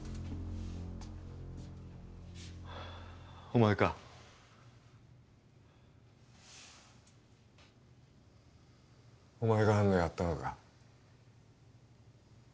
お前かお前が安野をやったのか？